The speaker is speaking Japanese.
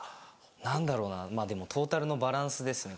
何だろうなまぁでもトータルのバランスですねこう。